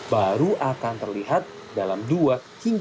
baru akan terlihat dalam dua hingga tiga minggu